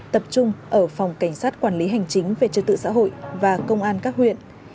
tập trung ở phòng cảnh sát quản lý hành chính về trật tự xã hội và công an các huyện